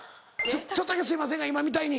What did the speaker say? ちょっとだけすいませんが今みたいに。